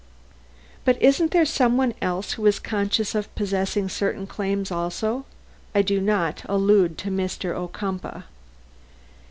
But isn't there some one else who is conscious of possessing certain claims also? I do not allude to Mr. Ocumpaugh."